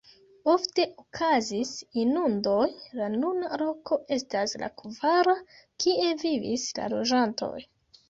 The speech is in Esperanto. Ofte okazis inundoj, la nuna loko estas la kvara, kie vivis la loĝantoj.